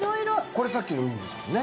これさっきのウニですもんね。